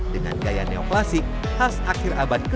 dengan gaya neoklasik khas akhir abad ke tujuh belas